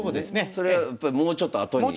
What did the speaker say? それはやっぱもうちょっと後に生まれる。